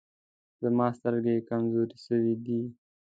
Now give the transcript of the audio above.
زما سترګي کمزوري سوي دی.